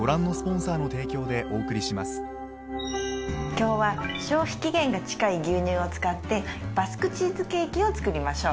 今日は消費期限が近い牛乳を使ってバスクチーズケーキを作りましょう。